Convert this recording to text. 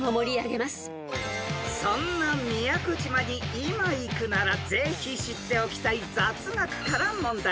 ［そんな宮古島に今行くならぜひ知っておきたい雑学から問題］